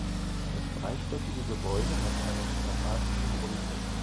Das dreistöckige Gebäude hat einen quadratischen Grundriss.